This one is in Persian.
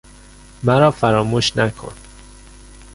مرافراموش نکن